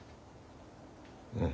うん。